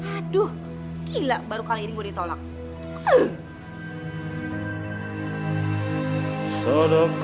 aduh gila baru kali ini gue ditolak